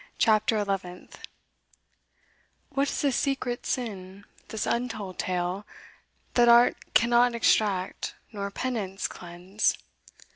CHAPTER ELEVENTH What is this secret sin, this untold tale, That art cannot extract, nor penance cleanse?